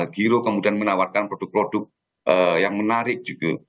giro kemudian menawarkan produk produk yang menarik juga